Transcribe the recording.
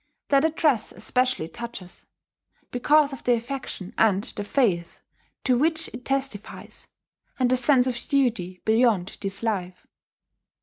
That address especially touches, because of the affection and the faith to which it testifies, and the sense of duty beyond this life.